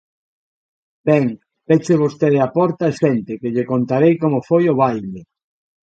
Ben, peche vostede a porta e sente, que lle contarei como foi o baile.